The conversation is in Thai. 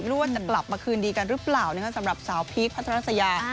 ว่าจะกลับมาคืนดีกันหรือเปล่าสำหรับสาวพีคพัทรัสยา